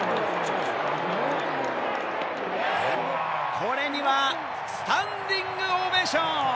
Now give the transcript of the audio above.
これには、スタンディングオベーション！